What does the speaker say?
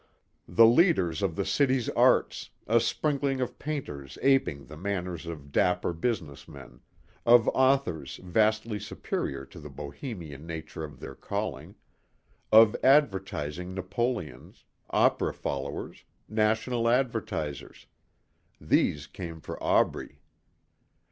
The leaders of the city's arts a sprinkling of painters aping the manners of dapper business men, of authors vastly superior to the Bohemian nature of their calling, of advertising Napoleons, opera followers, national advertisers these came for Aubrey.